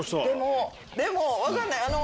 でも分かんない。